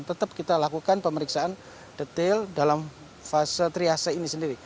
tetap kita lakukan pemeriksaan detail dalam fase triase ini sendiri